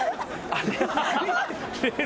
あれ。